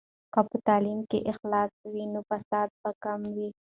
که په تعلیم کې اخلاص وي، نو فساد به کم وي.